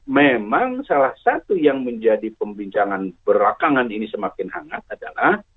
memang salah satu yang menjadi pembincangan belakangan ini semakin hangat adalah